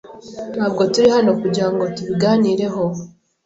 Ntabwo turi hano kugirango tubiganireho.